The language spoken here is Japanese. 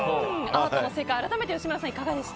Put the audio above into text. アートの世界改めて、吉村さん